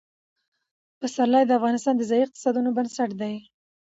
پسرلی د افغانستان د ځایي اقتصادونو بنسټ دی.